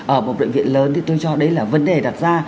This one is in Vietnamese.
ở một bệnh viện lớn thì tôi cho đấy là vấn đề đặt ra